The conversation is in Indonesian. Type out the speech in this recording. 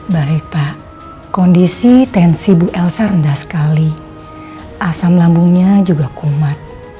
baik pak kondisi tensi bu elsa rendah sekali asam lambungnya juga kuat